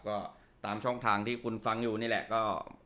ก็ตามช่องทางที่คุณฟังอยู่นี่แหละก็